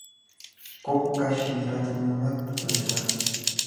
Кок каче йӧратымемат ыле да